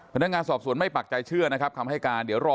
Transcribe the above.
พนักงานสอบสวนไม่ปักใจเชื่อนะครับคำให้การเดี๋ยวรอ